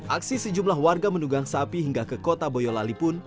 aksi sejumlah warga menugang sapi hingga ke kota boyolali pun